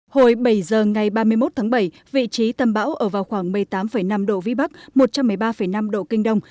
hồi bảy giờ ngày ba mươi một tháng bảy vị trí tâm bão ở vào khoảng một mươi tám năm độ vĩ bắc một trăm một mươi ba năm độ kinh đông